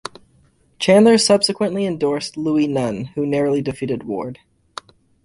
Chandler subsequently endorsed Louie Nunn, who narrowly defeated Ward.